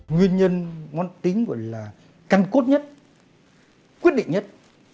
nguyên nhân món tính gọi là căn cốt nhất quyết định nhất